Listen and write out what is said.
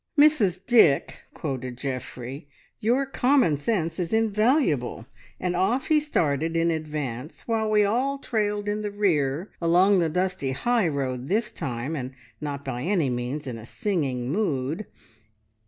"`Mrs Dick,' quoted Geoffrey, `your common sense is invaluable!' and off he started in advance while we all trailed in the rear, along the dusty high road this time, and not by any means in a singing mood.